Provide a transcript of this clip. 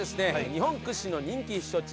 日本屈指の人気避暑地